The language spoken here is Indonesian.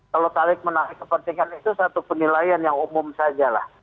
kalau talik menarik kepentingan itu satu penilaian yang umum saja lah